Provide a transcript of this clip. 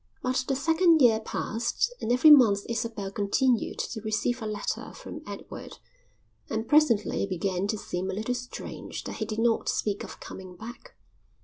But the second year passed and every month Isabel continued to receive a letter from Edward, and presently it began to seem a little strange that he did not speak of coming back.